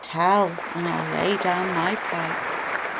Tell, and I'll lay down my pipe.